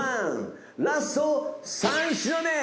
ラスト３品目。